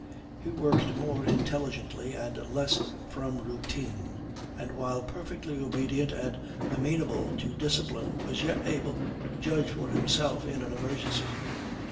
He worked more intelligently and less from routine, and while perfectly obedient and amenable to discipline, was yet able to judge for himself in an emergency.